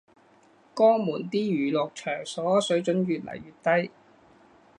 江門啲娛樂場所水準越來越低